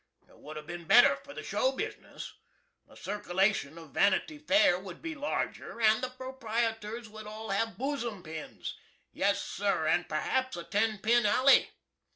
It would have been better for the show bisniss. The circulation of "Vanity Fair" would be larger, and the proprietors would all have boozum pins! Yes, sir, and perhaps a ten pin alley.